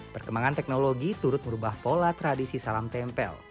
perkembangan teknologi turut merubah pola tradisi salam tempel